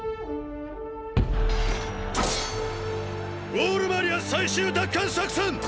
ウォール・マリア最終奪還作戦！！